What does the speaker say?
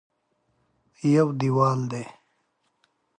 یو دېوال دی.